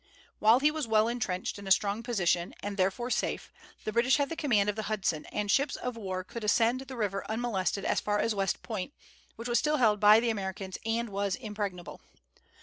While he was well intrenched in a strong position, and therefore safe, the British had the command of the Hudson, and ships of war could ascend the river unmolested as far as West Point, which was still held by the Americans and was impregnable.